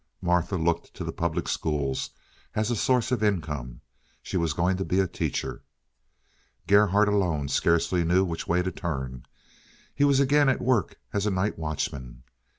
Martha looked to the public schools as a source of income; she was going to be a teacher. Gerhardt alone scarcely knew which way to turn. He was again at work as a night watchman.